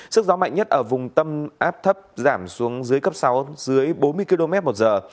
sức gió mạnh nhất ở vùng tâm áp thấp giảm xuống dưới cấp sáu dưới bốn mươi km một giờ